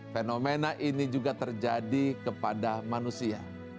fenomena ini juga terjadi kepada manusia